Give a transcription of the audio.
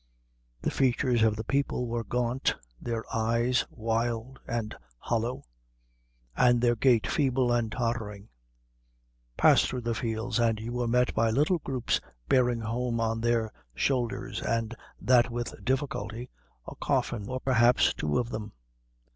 The features of the people were gaunt, their eyes wild and hollow, and their gait feeble and tottering. Pass through the fields, and you were met by little groups bearing home on their shoulders, and that with difficulty, a coffin, or perhaps two of them.